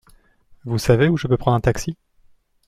Vous savez où je peux prendre un taxi ?